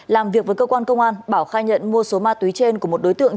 làm việc với cơ quan công an bảo khai nhận mua số ma túy trên của một đối tượng